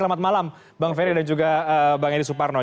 selamat malam bang ferry dan juga bang edi suparno